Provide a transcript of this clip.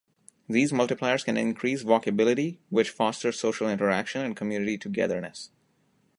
These multipliers can increase walkability, which fosters social interaction and community togetherness.